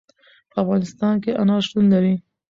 په افغانستان کې انار شتون لري.